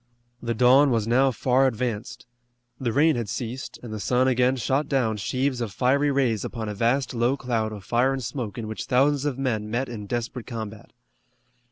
The dawn was now far advanced. The rain had ceased, and the sun again shot down sheaves of fiery rays upon a vast low cloud of fire and smoke in which thousands of men met in desperate combat.